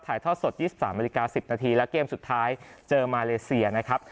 ถ่ายทอดสด๒๓๑๐นและเกมสุดท้ายเจอมาเลเซียนะครับ